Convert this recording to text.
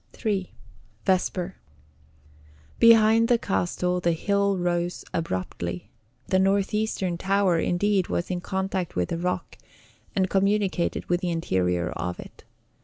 III. VESPER. Behind the castle the hill rose abruptly; the northeastern tower, indeed, was in contact with the rock, and communicated with the interior of it.